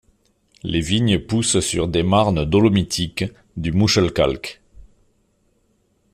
Les vignes poussent sur des marnes dolomitiques du Muschelkalk.